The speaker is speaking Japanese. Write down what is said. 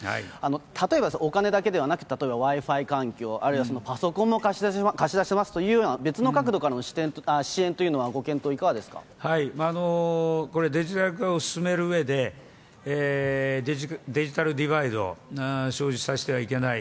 例えば、お金だけではなく、例えばＷｉ−Ｆｉ環境、あるいはパソコンも貸し出しますといった別の角度からの支援といこれ、デジタル化を進めるうえで、デジタルディバイド、生じさせてはいけない。